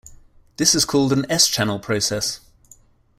This is called an s-channel process.